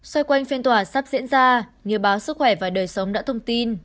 xoay quanh phiên tòa sắp diễn ra nhiều báo sức khỏe và đời sống đã thông tin